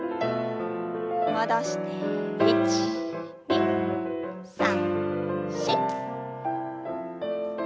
戻して１２３４。